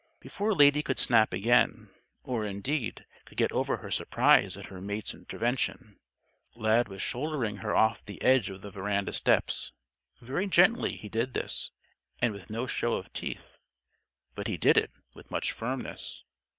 Before Lady could snap again, or, indeed, could get over her surprise at her mate's intervention, Lad was shouldering her off the edge of the veranda steps. Very gently he did this, and with no show of teeth. But he did it with much firmness.